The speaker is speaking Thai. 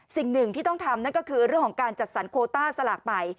สิ่งหนึ่งที่ต้องทำนั่นก็คือเรื่องของการจัดสรรโคต้าสลากใหม่